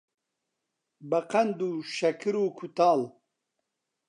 بەقەند و شەکر و کووتاڵ